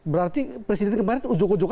berarti presiden kemarin ujuk ujuk